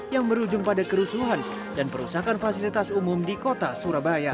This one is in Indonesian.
yang berujung pada kerusuhan dan perusakan fasilitas umum di kota surabaya